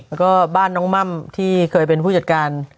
แล้วก็บ้านน้องม่ำที่เคยเป็นผู้จัดการ